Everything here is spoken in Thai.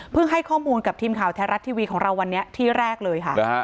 ให้ข้อมูลกับทีมข่าวแท้รัฐทีวีของเราวันนี้ที่แรกเลยค่ะ